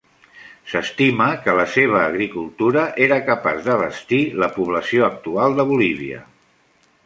S'estima que la seva agricultura era capaç d'abastir la població actual de Bolívia.